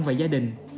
và người thân